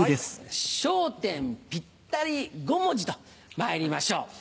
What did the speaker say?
「笑点ぴったり５文字」とまいりましょう。